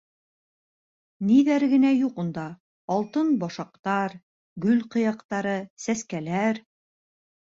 Ниҙәр генә юҡ унда: алтын башаҡтар, гөл ҡыяҡтары, сәскәләр...